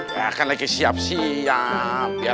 ya kan lagi siap siap